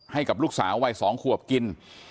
ให้กับลูกสาววัย๒ขวบกิน